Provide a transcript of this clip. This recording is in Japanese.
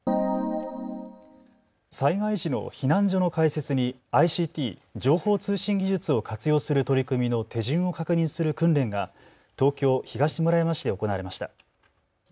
災害時の避難所の開設にＩＣＴ・情報通信技術を活用する取り組みの手順を確認する訓練が東京東村山市で行われました。